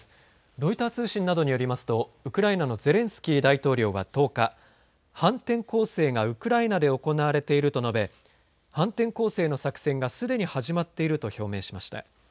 ロイター通信などによりますとウクライナのゼレンスキー大統領は１０日反転攻勢がウクライナで行われていると述べ反転攻勢の作戦がすでに始まっていると表明しました。